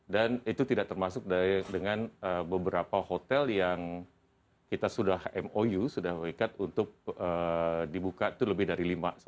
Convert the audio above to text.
dan itu tidak termasuk dengan beberapa hotel yang kita sudah mou sudah bekerja untuk dibuka itu lebih dari lima